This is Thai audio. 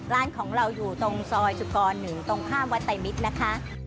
ร้านของเราอยู่ตรงซอยสุกร๑ตรงข้ามวัดไตรมิตรนะคะ